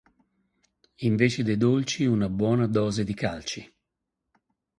Invece dei dolci, una buona dose di calci.